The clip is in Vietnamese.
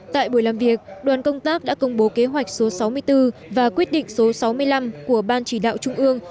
tại buổi làm việc đoàn công tác đã công bố kế hoạch số sáu mươi bốn và quyết định số sáu mươi năm của ban chỉ đạo trung ương